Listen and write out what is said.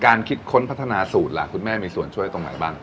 คิดค้นพัฒนาสูตรล่ะคุณแม่มีส่วนช่วยตรงไหนบ้าง